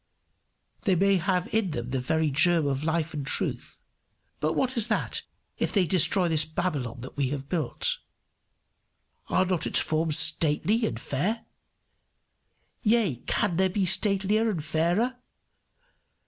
They may have in them the very germ of life and truth; but what is that, if they destroy this Babylon that we have built? Are not its forms stately and fair? Yea, can there be statelier and fairer?